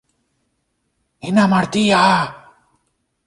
Είναι αμαρτία!